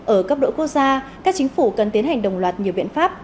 ở cấp độ quốc gia các chính phủ cần tiến hành đồng loạt nhiều biện pháp